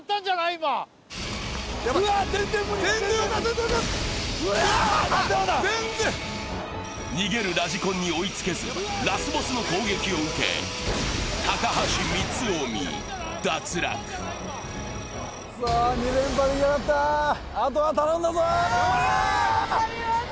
今うわ全然無理逃げるラジコンに追いつけずラスボスの攻撃を受け高橋光臣脱落クソ２連覇できなかったあとは頼んだぞ頑張りまーす！